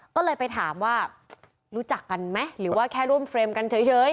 ก็เลยไปถามว่ารู้จักกันไหมหรือว่าแค่ร่วมเฟรมกันเฉย